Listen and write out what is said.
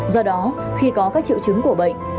do đó khi có các triệu chứng của bệnh